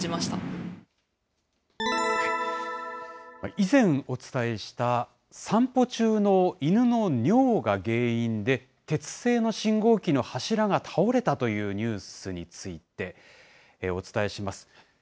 以前お伝えした、散歩中の犬の尿が原因で、鉄製の信号機の柱が倒れたというニュースについてお伝えします。